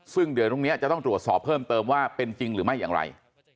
ซึ่งเดี๋ยวตรงนี้จะต้องตรวจสอบเพิ่มเติมว่าเป็นจริงหรือไม่อย่างไร